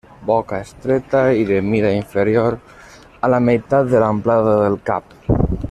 Boca estreta i de mida inferior a la meitat de l'amplada del cap.